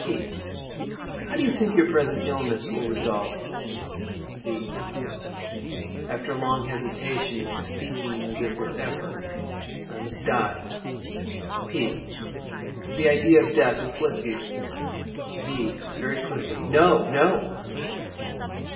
P. How do you think your present illness will result? V. [After a long hesitation and speaking as if with effort.] I must die. P. Does the idea of death afflict you? V. [Very quickly.] No—no!